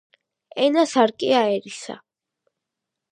ენა სარკეა ერისა